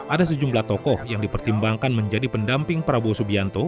ada sejumlah tokoh yang dipertimbangkan menjadi pendamping prabowo subianto